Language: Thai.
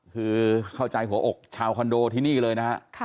คือเข้าใจหัวอกชาวคอนโดที่นี่เลยนะฮะ